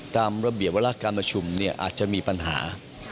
ตามระเบียบวัตรการประชุมอาจจะมีปัญหา